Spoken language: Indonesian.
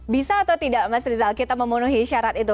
bisa atau tidak mas rizal kita memenuhi syarat itu